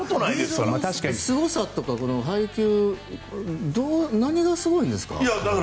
すごさとか配球何がすごいんですか？